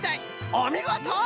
おみごと！